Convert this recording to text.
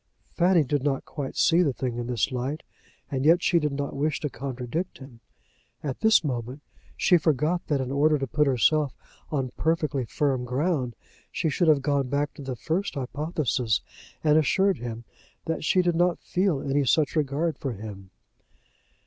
Fanny did not quite see the thing in this light, and yet she did not wish to contradict him. At this moment she forgot that in order to put herself on perfectly firm ground, she should have gone back to the first hypothesis, and assured him that she did not feel any such regard for him.